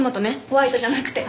ホワイトじゃなくて。